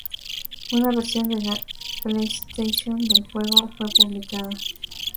Una versión de la PlayStation del juego fue publicada.